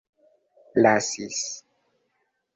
lasis